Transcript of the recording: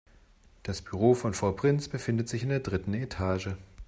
Das Büro von Frau Prinz befindet sich in der dritten Etage.